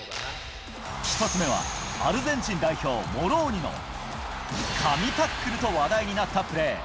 １つ目は、アルゼンチン代表、モローニの、神タックルと話題になったプレー。